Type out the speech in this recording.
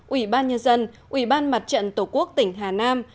ủy ban nhân dân ủy ban mặt trận tổ quốc tỉnh hà nam